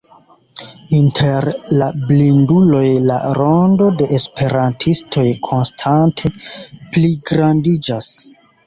Inter la blinduloj, la rondo de esperantistoj konstante pligrandiĝas.